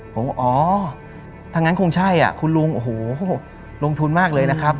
ผมก็อ๋อถ้างั้นคงใช่คุณลุงโอ้โหลงทุนมากเลยนะครับ